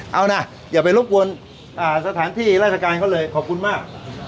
เอานะอย่าไปรบกวนสถานที่ราชการเขาเลยขอบคุณมาก